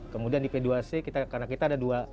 kemudian di p dua c karena kita ada dua